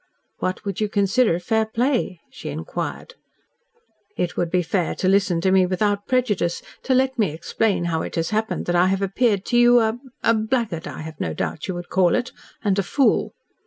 "What would you consider fair play?" she inquired. "It would be fair to listen to me without prejudice to let me explain how it has happened that I have appeared to you a a blackguard I have no doubt you would call it and a fool."